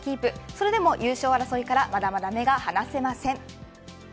それでも優勝争いからまだまだ目が離せません。